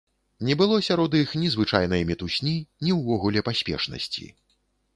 Не было сярод іх ні звычайнай мітусні, ні ўвогуле паспешнасці.